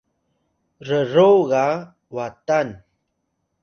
rro ga Watan